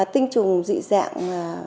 tinh trùng dị dạng